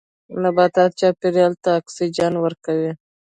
نباتات چاپیریال ته اکسیجن ورکوي